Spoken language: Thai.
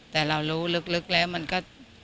แต่เรารู้ลึกแล้วมันก็